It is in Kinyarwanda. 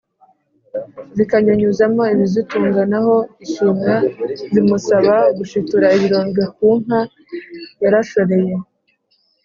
zikanyunyuzamo ibizitunga, naho ishwima zimusaba gushitura ibirondwe ku nka yarashoreye